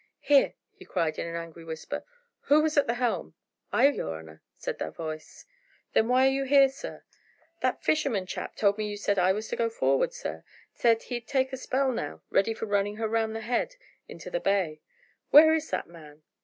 "Here!" he cried in an angry whisper, "who was at the helm?" "I, your honour," said a voice. "Then why are you here, sir?" "That fisherman chap told me you said I was to go forward, sir, as he'd take a spell now, ready for running her round the head into the bay." "Where is that man?"